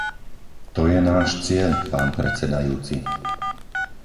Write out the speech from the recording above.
To je náš cieľ, pán predsedajúci.